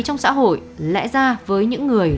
trong xã hội lẽ ra với những người